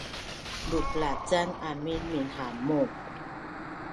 luklacan amin minhamu